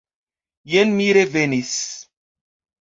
Jen mi revenis!